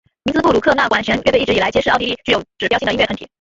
林兹布鲁克纳管弦乐团一直以来皆是奥地利具有指标性的音乐团体。